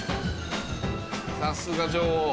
さすが女王。